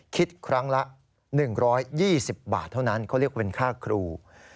คิดครั้งละ๑๒๐บาทเท่านั้นเขาเรียกเป็นค่าครู